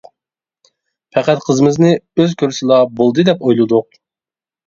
پەقەت قىزىمىزنى ئۆز كۆرسىلا بولدى دەپ ئويلىدۇق.